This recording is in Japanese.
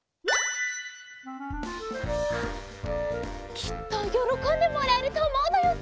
きっとよろこんでもらえるとおもうのよね。